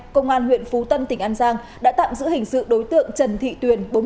công an huyện phú tân tỉnh an giang đã tạm giữ hình sự đối tượng trần thị tuyền